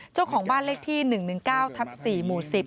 เจ้าของบ้านเลขที่๑๑๙ทับ๔หมู่๑๐